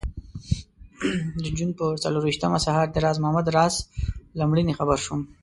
د جون پر څلرویشتمه سهار د راز محمد راز له مړینې خبر شوم.